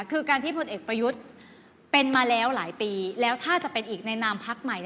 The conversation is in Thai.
คือการที่พลเอกประยุทธ์เป็นมาแล้วหลายปีแล้วถ้าจะเป็นอีกในนามพักใหม่